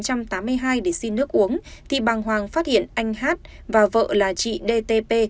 trong khi xảy ra vụ án thì bàng hoàng phát hiện anh hát và vợ là chị dtp